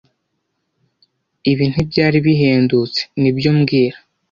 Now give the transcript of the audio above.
Ibi ntibyari bihendutse, nibyo mbwira